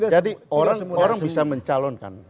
jadi orang bisa mencalonkan